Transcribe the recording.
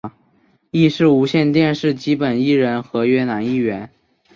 亦是无线电视基本艺人合约男艺员。